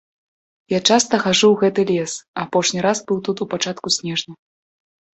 Я часта хаджу ў гэты лес, апошні раз быў тут у пачатку снежня.